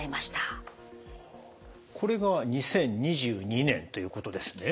これが２０２２年ということですね。